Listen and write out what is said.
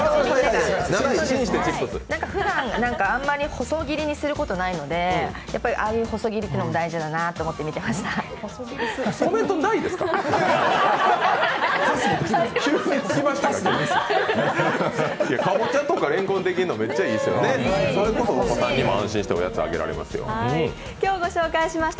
ふだんあんまり細切りにすることないので、ああいう細切りにするのって大事だなと思って見てました。